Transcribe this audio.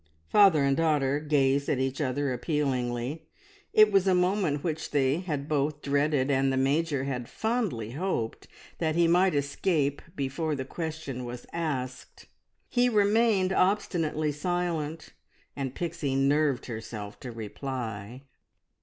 Father and daughter gazed at each other appealingly. It was a moment which they had both dreaded, and the Major had fondly hoped that he might escape before the question was asked. He remained obstinately silent, and Pixie nerved herself to reply.